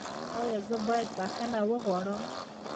ایا زه باید بخښنه وغواړم؟